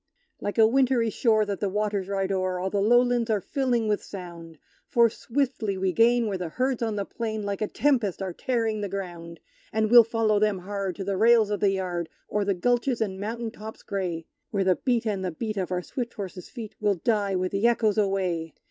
Like a wintry shore that the waters ride o'er, All the lowlands are filling with sound; For swiftly we gain where the herds on the plain, Like a tempest, are tearing the ground! And we'll follow them hard to the rails of the yard, O'er the gulches and mountain tops grey, Where the beat and the beat of our swift horses' feet Will die with the echoes away!